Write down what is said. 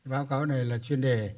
báo cáo này là chuyên đề